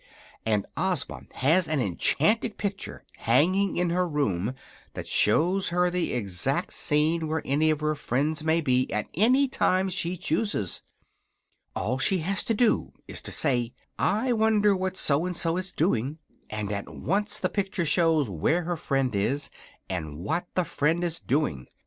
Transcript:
And Ozma has an enchanted picture hanging in her room that shows her the exact scene where any of her friends may be, at any time she chooses. All she has to do is to say: 'I wonder what So and so is doing,' and at once the picture shows where her friend is and what the friend is doing.